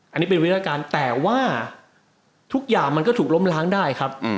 อันนี้เป็นวิทยาการแต่ว่าทุกอย่างมันก็ถูกล้มล้างได้ครับ